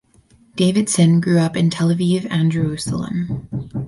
Davidsson grew up in Tel Aviv and Jerusalem.